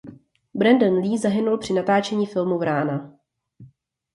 Brandon Lee zahynul při natáčení filmu Vrána.